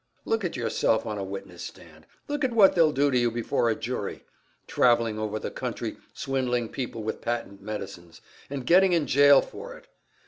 "Look at yourself on a witness stand! Look at what they'll do to you before a jury! Traveling over the country, swindling people with patent medicines and getting in jail for it!